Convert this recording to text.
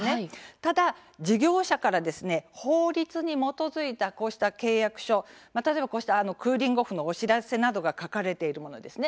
ただ事業者から法律に基づいた契約書クーリング・オフのお知らせなどが書かれているものですね。